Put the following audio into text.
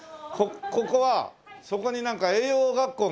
ここはそこになんか栄養学校があるじゃない。